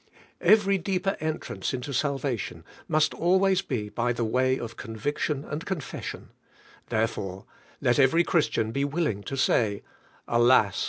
Every deeper entrance into salvation must always be by the way of con viction and confession; therefore, let every Chris tian be willing to say: "Alas!